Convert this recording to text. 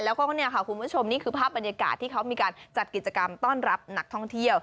แล้วก็เนี่ยค่ะคุณผู้ชมนี่คือภาพบรรยากาศที่เขามีการจัดกิจกรรมต้อนรับนักท่องเที่ยว